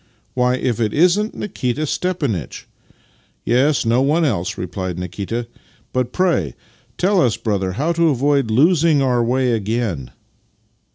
Why, if it isn't Nikita Stepanitch! "" Yes, no one else," replied Nikita. " But pray tell us, brother, how to avoid losing our way again."